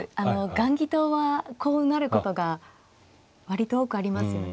雁木党はこうなることが割と多くありますよね。